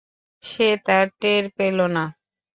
সে তা টের পেল না।